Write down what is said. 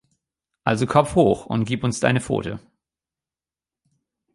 Also Kopf hoch und gib uns deine Pfote.